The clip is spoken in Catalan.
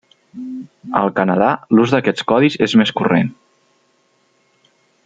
Al Canadà l'ús d'aquests codis és més corrent.